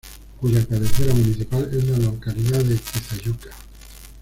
Cuya cabecera municipal es la localidad de Tizayuca.